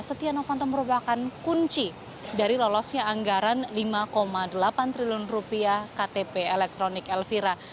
setia novanto merupakan kunci dari lolosnya anggaran lima delapan triliun rupiah ktp elektronik elvira